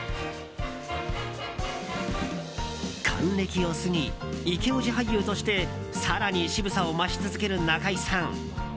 還暦を過ぎイケオジ俳優として更に渋さを増し続ける中井さん。